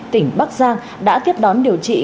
tỉnh bắc giang đã tiếp đón điều trị